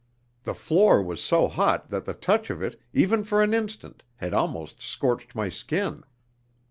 The floor was so hot that the touch of it, even for an instant, had almost scorched my skin.